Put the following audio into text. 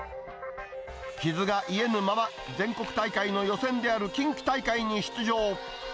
傷がいえぬまま、全国大会の予選である近畿大会に出場。